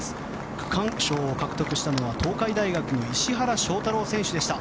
区間賞を獲得したのは東海大学の石原翔太郎選手でした。